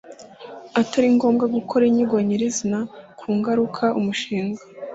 atari ngombwa gukora inyigo nyir izina ku ngaruka umushinga